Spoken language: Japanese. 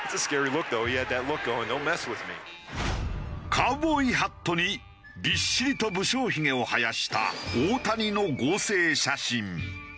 カウボーイハットにびっしりと無精ひげを生やした大谷の合成写真。